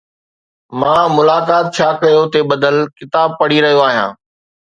مان ”ملاقات ڇا ڪيو“ تي ٻڌل ڪتاب پڙهي رهيو آهيان.